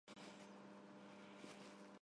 Քերուակը հայտնի է իր ինքնաբուխ արձակով։